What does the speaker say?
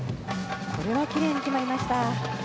これはきれいに決まりました。